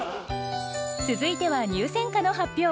続いては入選歌の発表。